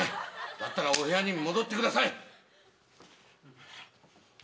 だったらお部屋に戻ってください。